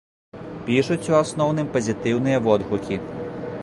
Пішуць у асноўным пазітыўныя водгукі.